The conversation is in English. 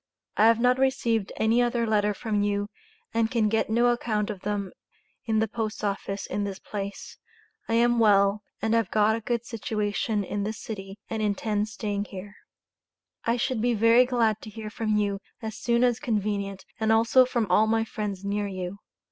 I have not received any other letter from you and can get no account of them in the Post Office in this place, I am well and have got a good situation in this city and intend staying here. I should be very glad to hear from you as soon as convenient and also from all of my friends near you.